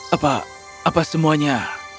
apa apa semuanya